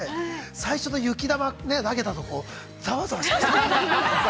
最初の雪玉投げたとこ、ざわざわしました。